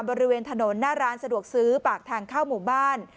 บริเวณถนนหน้าร้านสะดวกซื้อปากทางเข้าหมู่บ้าน